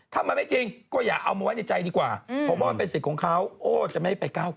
ถ้าไม่จริงก็อย่าเอาไปใจดีกว่า